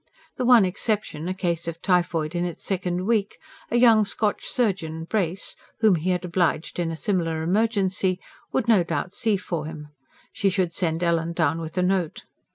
The one exception, a case of typhoid in its second week, a young Scotch surgeon, Brace, whom he had obliged in a similar emergency, would no doubt see for him she should send Ellen down with a note.